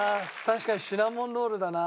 確かにシナモンロールだな。